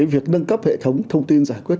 việc nâng cấp hệ thống thông tin giải quyết